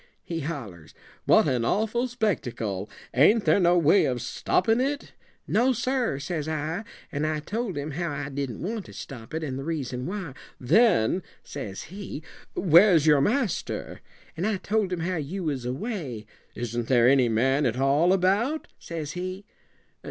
he hollers, 'what an awful spectacle! Ain't there no way of stoppin' it?' 'No, sir,' says I, and I told him how I didn't want to stop it and the reason why. 'Then,' says he, 'where's your master?' and I told him how you was away. 'Isn't there any man at all about?' says he.